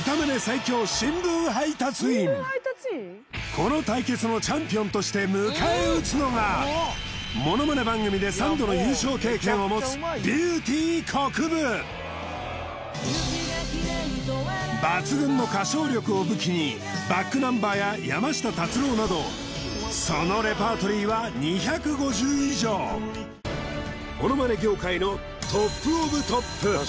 この対決のチャンピオンとして迎え撃つのがモノマネ番組で３度の優勝経験を持つビューティーこくぶ抜群の歌唱力を武器にｂａｃｋｎｕｍｂｅｒや山下達郎などそのレパートリーは２５０以上モノマネ業界のＴＯＰｏｆＴＯＰ